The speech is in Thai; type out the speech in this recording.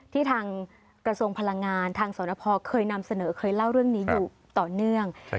ที่ทางกระทรวงพลังงานทางสนพเคยนำเสนอเคยเล่าเรื่องนี้อยู่ต่อเนื่อง